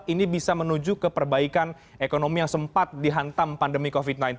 ini bisa menuju ke perbaikan ekonomi yang sempat dihantam pandemi covid sembilan belas